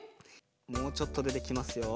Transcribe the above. もうちょっとでできますよ。